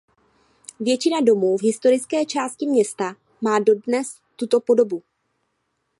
Většina domů v historické části města má dodnes tuto podobu.